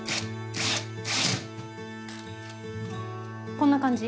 こんな感じ。